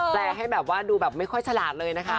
แปลให้ดูแบบไม่ค่อยฉลาดเลย